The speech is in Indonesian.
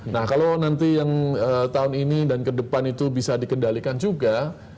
nah kalau nanti yang tahun ini dan ke depan itu bisa dikendalikan juga